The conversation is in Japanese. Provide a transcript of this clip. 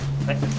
はい。